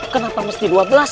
kenapa mesti dua belas